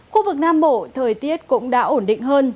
khu vực nam bộ thời tiết cũng đã ổn định hơn